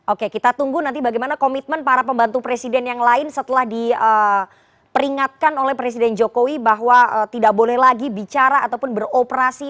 oke kita tunggu nanti bagaimana komitmen para pembantu presiden yang lain setelah diperingatkan oleh presiden jokowi bahwa tidak boleh lagi bicara ataupun beroperasi